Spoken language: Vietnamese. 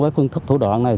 với phương thức thủ đoạn này